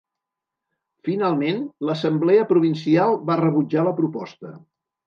Finalment, l'assemblea provincial va rebutjar la proposta.